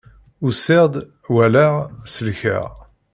Usiɣ-d, walaɣ, selkeɣ.